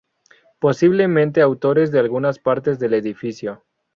Posiblemente autores de algunas partes del edificio.